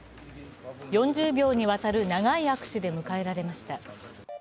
４０秒にわたる長い握手で迎えられました。